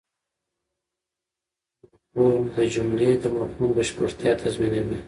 مفعول د جملې د مفهوم بشپړتیا تضمینوي.